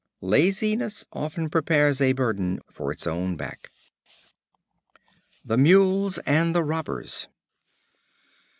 Laziness often prepares a burden for its own back. The Mules and the Robbers.